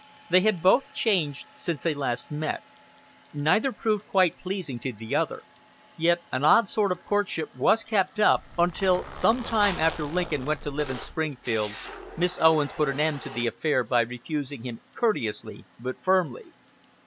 They had both changed since they last met; neither proved quite pleasing to the other, yet an odd sort of courtship was kept up, until, some time after Lincoln went to live in Springfield, Miss Owens put an end to the affair by refusing him courteously but firmly.